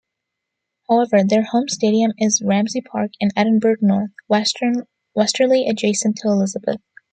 However, their home stadium is Ramsay Park in Edinburgh North, westerly adjacent to Elizabeth.